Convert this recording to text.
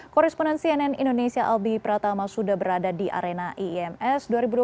korrespondensi nn indonesia albi pratama sudah berada di arena iems dua ribu dua puluh tiga